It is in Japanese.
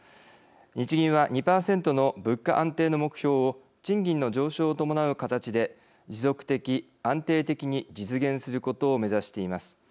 日銀は２％の物価安定の目標を賃金の上昇を伴う形で持続的、安定的に実現することを目指しています。